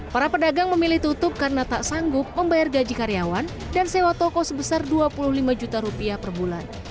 para pedagang memilih tutup karena tak sanggup membayar gaji karyawan dan sewa toko sebesar dua puluh lima juta rupiah per bulan